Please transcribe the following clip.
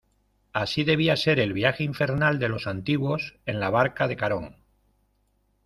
así debía ser el viaje infernal de los antiguos en la barca de Carón: